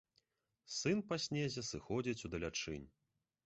Сын па снезе сыходзіць у далячынь.